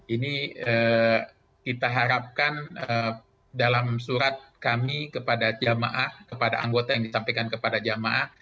ini kita harapkan dalam surat kami kepada jamaah kepada anggota yang disampaikan kepada jamaah